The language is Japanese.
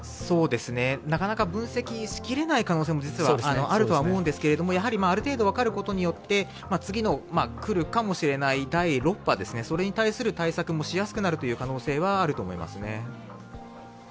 なかなか分析しきれない可能性も実はあるとは思うんですけれども、ある程度分かることによって、次の来るかもしれない第６波それに対する対策もしやすくなる可能性はありますね。